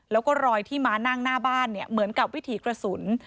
แล้วก็รอยที่มานั่งหน้าบ้านเนี่ยเหมือนกับวิถีกระสุน